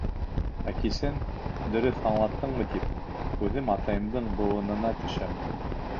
Ә кисен, дөрөҫ аңлаттыммы тип, үҙем атайымдың быуынына төшәм.